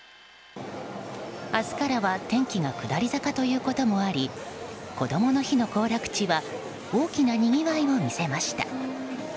明日からは天気が下り坂ということもありこどもの日の行楽地は大きなにぎわいを見せました。